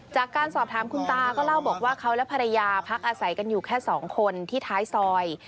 จากการสอบถามคุณตาก็เล่าบอกว่าเขาและภรรยาพักอาศัยกันอยู่แค่๒คนที่ท้ายซอย